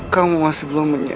kamu masih belum menyadari